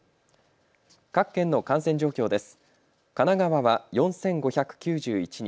各県の感染状況です。